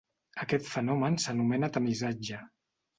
Aquest fenomen s'anomena tamisatge.